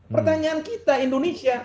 pertanyaan kita indonesia